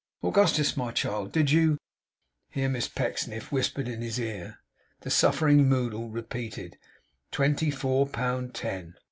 Augustus, my child, did you ' Here Miss Pecksniff whispered in his ear. The suffering Moddle repeated: 'Twenty four pound ten!